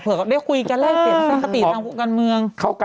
เผื่อได้คุยกันได้จริงทางผู้การเมือง